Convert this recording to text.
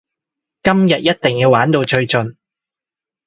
今日一定要玩到最盡！